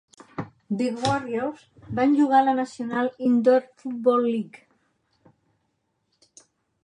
The Warriors van jugar a la National Indoor Football League.